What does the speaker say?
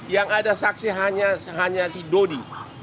yang ada saksi hanya si dodi